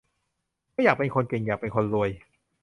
ไม่อยากเป็นคนเก่ง อยากเป็นคนรวย